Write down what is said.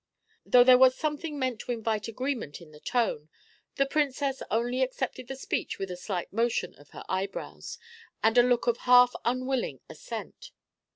Though there was something meant to invite agreement in the tone, the Princess only accepted the speech with a slight motion of her eyebrows, and a look of half unwilling assent.